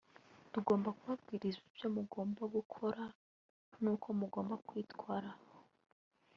tugomba kubabwiriza ibyo mugomba gukora nuko mugomba kwitwara